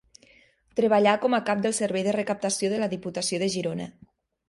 Treballà com a cap del Servei de Recaptació de la Diputació de Girona.